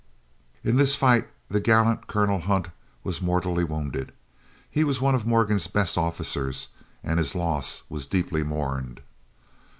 In this fight the gallant Colonel Hunt was mortally wounded. He was one of Morgan's best officers, and his loss was deeply mourned.